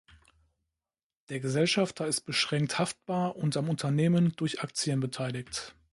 Der Gesellschafter ist beschränkt haftbar und am Unternehmen durch Aktien beteiligt.